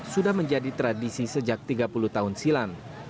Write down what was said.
sudah menjadi tradisi sejak tiga puluh tahun silam